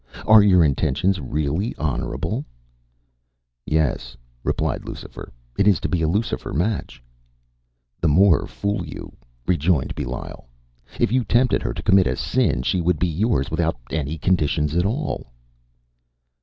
Are your intentions really honourable?” “Yes,” replied Lucifer, “it is to be a Lucifer match.” “The more fool you,” rejoined Belial. “If you tempted her to commit a sin, she would be yours without any conditions at all.